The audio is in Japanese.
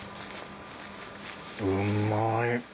うまい！